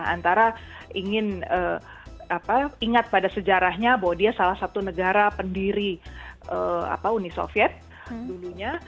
antara ingin ingat pada sejarahnya bahwa dia salah satu negara pendiri uni soviet dulunya